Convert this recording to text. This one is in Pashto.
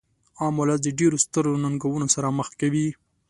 عام ولس د ډیرو سترو ننګونو سره مخ کوي.